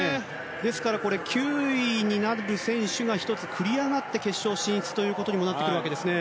ですから９位になる選手が１つ繰り上がって決勝進出となってくるわけですね。